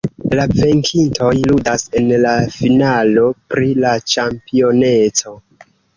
La venkintoj ludas en la finalo pri la ĉampioneco.